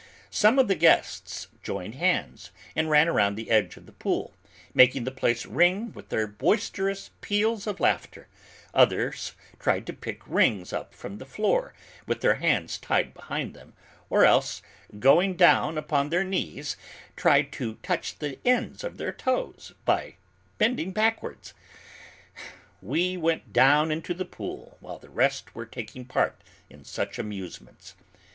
Some of the guests joined hands and ran around the edge of the pool, making the place ring with their boisterous peals of laughter; others tried to pick rings up from the floor, with their hands tied behind them, or else, going down upon their knees, tried to touch the ends of their toes by bending backwards. We went down into the pool while the rest were taking part in such amusements.